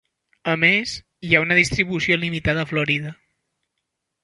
A més, hi ha una distribució limitada a Florida.